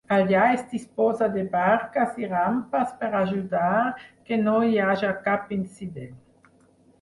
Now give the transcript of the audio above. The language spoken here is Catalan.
Allà es disposa de barques i rampes per ajudar que no hi haja cap incident.